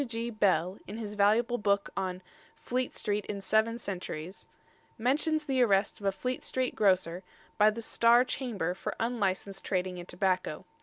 W.G. Bell, in his valuable book on "Fleet Street in Seven Centuries," mentions the arrest of a Fleet Street grocer by the Star Chamber for unlicensed trading in tobacco.